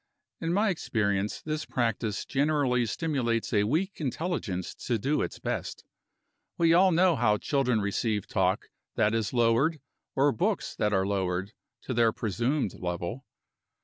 In my experience, this practice generally stimulates a weak intelligence to do its best. We all know how children receive talk that is lowered, or books that are lowered, to their presumed level.